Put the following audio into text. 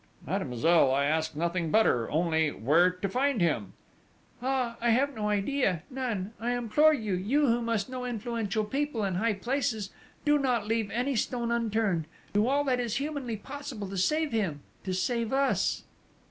"Mademoiselle, I ask nothing better, only ... where to find him?" "Ah, I have no idea, none!... I implore you, you who must know influential people in high places, do not leave any stone unturned, do all that is humanly possible to save him to save us!"